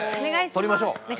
とりましょう！